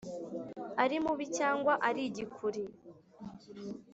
ari mubi cyangwa ari igikuri